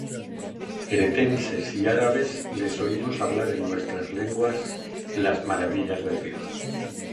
Cretenses y Arabes, les oímos hablar en nuestras lenguas las maravillas de Dios.